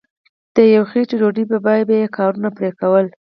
د یوې خیټې ډوډۍ په بیه به یې کارونه پرې کول.